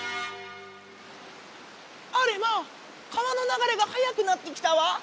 あれまあ川のながれが早くなってきたわ。